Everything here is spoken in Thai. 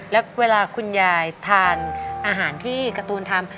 แล้วเวลาคุณยายทานอาหารที่การ์ตูนทำ